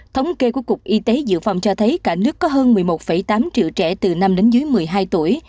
thống kê của cục y tế dự phòng cho thấy cả nước có hơn một mươi một tám triệu trẻ từ năm đến dưới một mươi hai tuổi